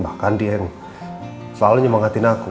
bahkan dia yang selalu nyemangatin aku